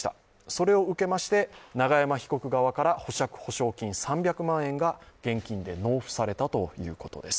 それを受けまして、永山被告側から保釈保証金３００万円が現金で納付されたということです。